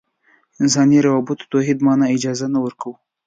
انساني روابطو توحید معنا اجازه نه ورکوو.